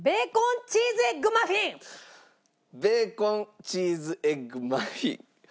ベーコンチーズエッグマフィン。